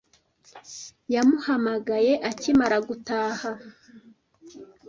Yamuhamagaye akimara gutaha.